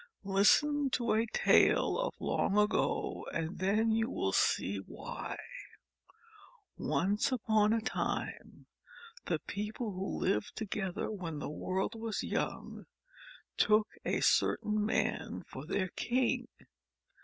Listen to a tale of long ago and then you will see why. Once upon a time, the people who lived together when the world was young took a certain man for their king.